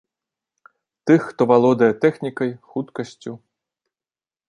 Тых, хто валодае тэхнікай, хуткасцю.